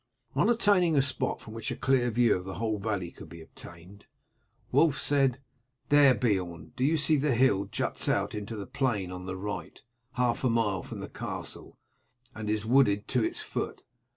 On attaining a spot from which a clear view of the whole valley could be obtained, Wulf said: "There, Beorn, do you see the hill juts out into the plain on the right, half a mile from the castle, and is wooded to its foot.